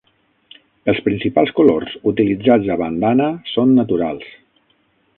Els principals colors utilitzats a Bandhana són naturals.